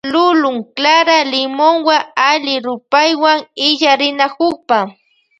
Lulun clara limonwa alli rupaywan illarinakukpa.